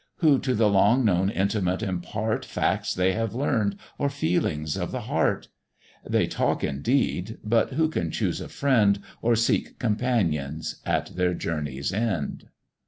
Who to the long known intimate impart Facts they have learn'd or feelings of the heart? They talk indeed, but who can choose a friend, Or seek companions at their journey's end?